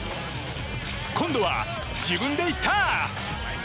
今度は自分で行った！